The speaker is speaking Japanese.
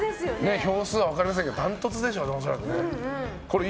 票数は分かりませんけどダントツでしょうね、恐らく。